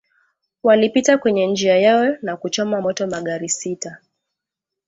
walipita kwenye njia yao na kuchoma moto magari sita